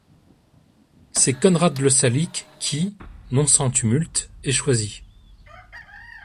C'est Conrad le Salique qui, non sans tumulte, est choisi.